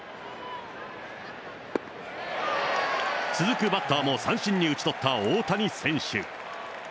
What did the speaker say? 続くバッターも三振に打ち取った大谷選手。